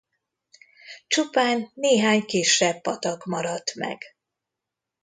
Csupán néhány kisebb patak maradt meg.